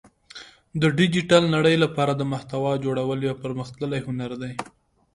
د ډیجیټل نړۍ لپاره د محتوا جوړول یو پرمختللی هنر دی